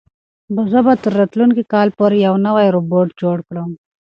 زه به تر راتلونکي کال پورې یو نوی روبوټ جوړ کړم.